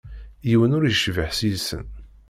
Yiwen ur yecbiḥ seg-sen.